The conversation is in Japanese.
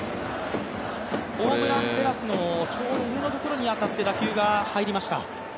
ホームランテラスのちょうど上のところに当たって打球が入りました。